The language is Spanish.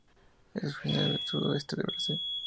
Es originario del sudoeste de Brasil.